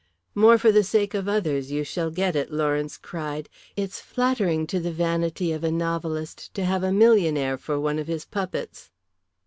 "More for the sake of others you shall get it," Lawrence cried. "It's flattering to the vanity of a novelist to have a millionaire for one of his puppets."